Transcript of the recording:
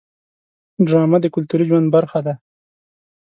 ډرامه د کلتوري ژوند برخه ده